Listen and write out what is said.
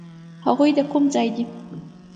هغوی د کوم ځای دي؟